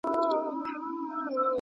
خپلي سياسي پريکړي په پوره دقت سره وکړئ.